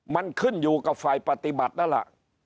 มันขึ้นอยู่กับฝ่ายปฏิบัตินั่นแหละ